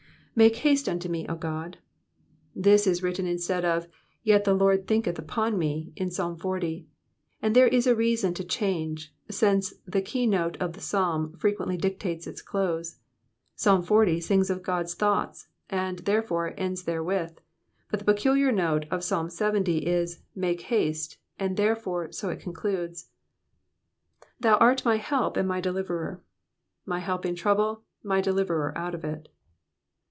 "'Make haste tinto me, 0 Ood.'*'* This is written instead of yet the Lord thinketh upon me,*' in Psalm xl. : and there is a reason for the change, since the key note of the Psalm frequently dictates its close. Psalm xl. sings of God's thoughts, and, therefore, ends therewith ; but the peculiar note of Psalm Ixx. is *! Make haste,*' and, therefore, so it concludes. ^^Thou art my help and my deliverer.^" My help in trouble, my deliverer out of it.